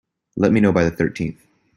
Let me know by the thirteenth.